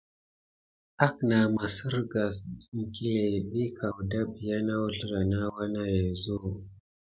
Aknah maserga det iŋklé vi kawda bia uzrlah na uwa na yezu.